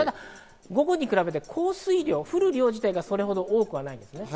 午後に比べて降水量、降る量自体がそれほど多くないですね。